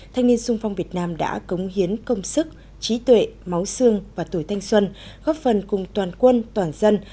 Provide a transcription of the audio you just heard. thanh niên sung phong việt nam đã cống hiến công sức trí tuệ máu xương và tuổi thanh xuân góp phần cùng toàn quân toàn dân